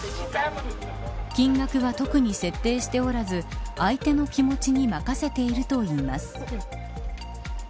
金額は特に設定しておらず相手の気持ちに任せているといいます。